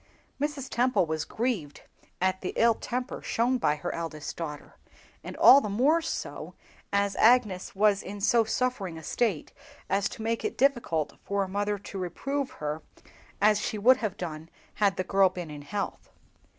Mrs. Temple was grieved at the ill temper shown by her eldest daughter, and all the more so as Agnes was in so suffering a state as to make it difficult for a mother to reprove her as she would have done had the girl been in health.